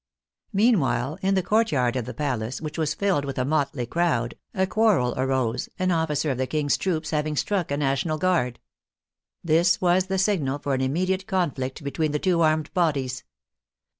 Meanwhile, in the courtyard of the palace, which was filled with a motley crowd, a quarrel arose, an officer of the King's troops having struck a National Guard. This was the signal for an immediate conflict between the two armed bodies.